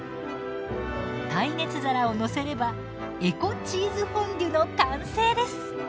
耐熱皿を載せればエコ・チーズフォンデュの完成です！